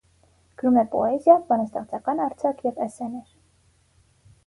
Գրում է պոեզիա, բանաստեղծական արձակ և էսսեներ։